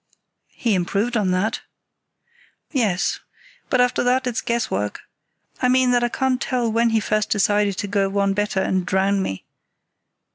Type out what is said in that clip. "He improved on that." "Yes, but after that, it's guess work. I mean that I can't tell when he first decided to go one better and drown me.